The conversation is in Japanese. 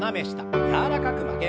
柔らかく曲げます。